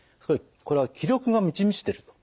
これは気力が満ち満ちてると。